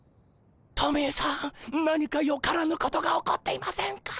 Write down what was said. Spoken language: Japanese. トミーさん何かよからぬことが起こっていませんか？